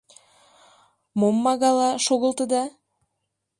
— Мом магала шогылтыда?